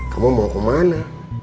kamu mau kemana